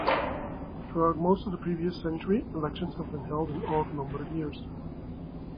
Throughout most of the previous century, elections have been held in odd-numbered years.